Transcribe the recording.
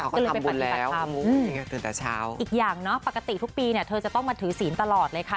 ก็เลยไปปฏิบัติธรรมอีกอย่างปกติทุกปีเธอจะต้องมาถือศีลตลอดเลยค่ะ